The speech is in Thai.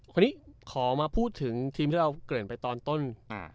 วันนี้ขอมาพูดถึงทีมที่เราเกริ่นไปตอนต้นอ่า